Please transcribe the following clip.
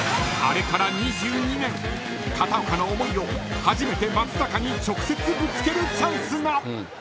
［片岡の思いを初めて松坂に直接ぶつけるチャンスが］